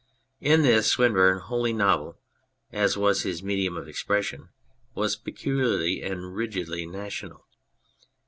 In this Swinburne, wholly novel as was his medium of expression, was peculiarly and rigidly national.